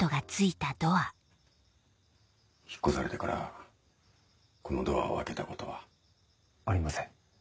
引っ越されてからこのドアを開けたことは？ありません。